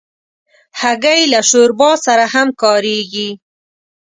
هګۍ له شوربا سره هم کارېږي.